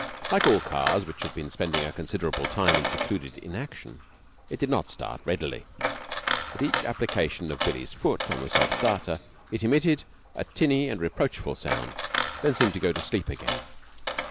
Like all cars which have been spending a considerable time in secluded inaction, it did not start readily. At each application of Billie's foot on the self starter, it emitted a tinny and reproachful sound and then seemed to go to sleep again.